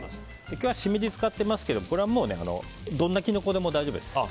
今日はシメジを使ってますけどこれはどんなキノコでも大丈夫です。